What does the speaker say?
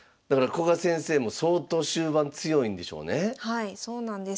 はいそうなんです。